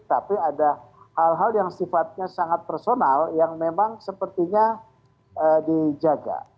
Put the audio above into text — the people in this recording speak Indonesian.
tapi ada hal hal yang sifatnya sangat personal yang memang sepertinya dijaga